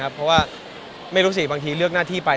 เพราะว่าไม่รู้สิบางทีเลือกหน้าที่ไป